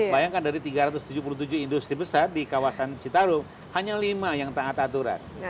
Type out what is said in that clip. bayangkan dari tiga ratus tujuh puluh tujuh industri besar di kawasan citarum hanya lima yang taat aturan